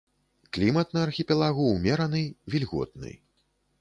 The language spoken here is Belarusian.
Клімат на архіпелагу умераны, вільготны.